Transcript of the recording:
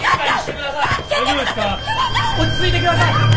落ち着いてください！